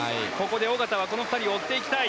小方はこの２人を追っていきたい。